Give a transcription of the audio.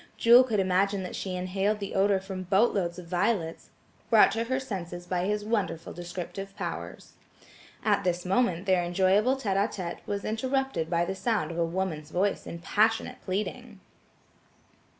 Jewel could imagine that she inhaled the odor from boatloads of violets, brought to her senses by his wonderful descriptive powers. At this moment their enjoyable tête á tête was interrupted by the sound of a woman's voice in passionate pleading.